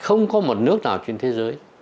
không có một nước nào trên thế giới